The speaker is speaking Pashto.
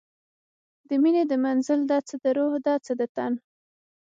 د میینې د منزل ده، څه د روح ده څه د تن